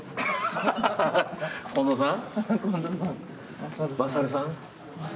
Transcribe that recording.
近藤さん。